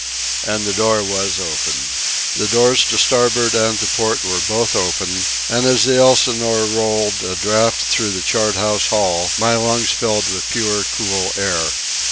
And the door was open. The doors to starboard and to port were both open; and as the Elsinore rolled a draught through the chart house hall my lungs filled with pure, cool air.